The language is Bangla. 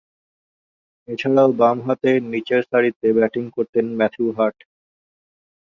এছাড়াও, বামহাতে নিচেরসারিতে ব্যাটিং করতেন ম্যাথু হার্ট।